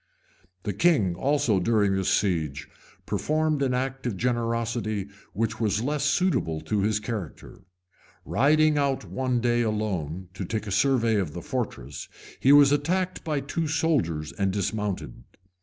The king also, during this siege, performed an act of generosity which was less suitable to his character. Riding out one day alone, to take a survey of the fortress, he was attacked by two soldiers, and dismounted.